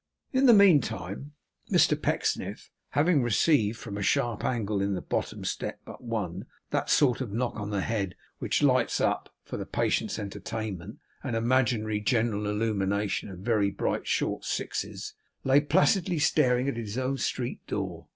In the meantime Mr Pecksniff, having received from a sharp angle in the bottom step but one, that sort of knock on the head which lights up, for the patient's entertainment, an imaginary general illumination of very bright short sixes, lay placidly staring at his own street door.